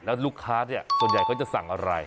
แล้วลูกค้าส่วนใหญ่ก็จะสั่งอะไร